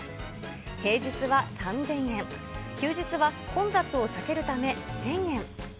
平日は３０００円、休日は混雑を避けるため１０００円。